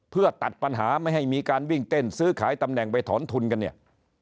เพื่อตัดปัญหาไม่ให้มีการวิ่งเต้นซื้อขายตำแหน่งไปถอนทุนกันเนี่ย